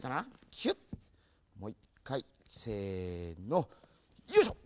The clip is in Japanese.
もういっかいせのよいしょ！